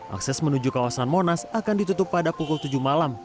akses menuju kawasan monas akan ditutup pada pukul tujuh malam